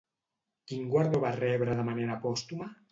Quin guardó va rebre de manera pòstuma?